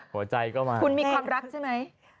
หัวใจก็มาคุณมีความรักใช่ไหม